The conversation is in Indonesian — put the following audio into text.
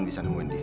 bisa nemuin dia